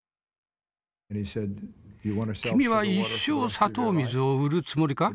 「君は一生砂糖水を売るつもりか。